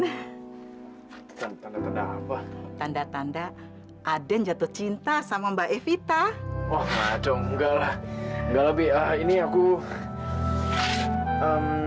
atau hai tandatanda aden jatuh cinta sama mbak evita toh jangan agar hai enggak lebih nah usar obvious